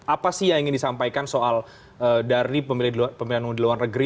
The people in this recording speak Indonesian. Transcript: apa sih yang ingin disampaikan soal dari pemilihan umum di luar negeri